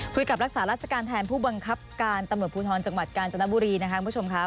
รักษาราชการแทนผู้บังคับการตำรวจภูทรจังหวัดกาญจนบุรีนะคะคุณผู้ชมค่ะ